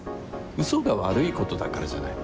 嘘が悪いことだからじゃない。